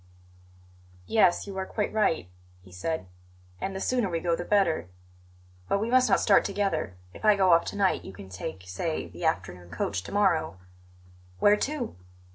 "Yes, you are quite right," he said; "and the sooner we go the better. But we must not start together. If I go off to night, you can take, say, the afternoon coach to morrow." "Where to?"